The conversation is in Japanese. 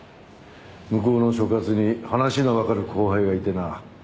向こうの所轄に話のわかる後輩がいてな。